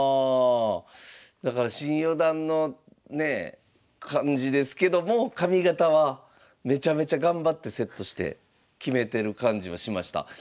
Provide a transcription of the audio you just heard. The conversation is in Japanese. だから新四段のねえ感じですけども髪形はめちゃめちゃ頑張ってセットしてキメてる感じはしました。